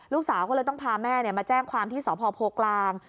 ลูกสาวก็เลยต้องพาแม่มาแจ้งความที่สพโพกลาง